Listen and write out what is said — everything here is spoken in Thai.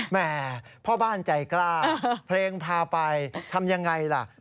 แม่พ่อบ้านใจกล้าเพลงพาไปทำยังไงล่ะ